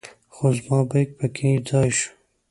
خو زما بیک په کې ځای شو.